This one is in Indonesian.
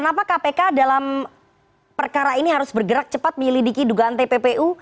kenapa kpk dalam perkara ini harus bergerak cepat menyelidiki dugaan tppu